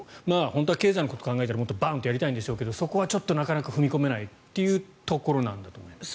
本当は経済のことを考えたらバンとやりたいんでしょうけどそこはちょっとなかなか踏み込めないというところなんだと思います。